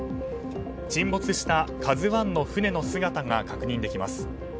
沈没した「ＫＡＺＵ１」の船の姿が確認できます。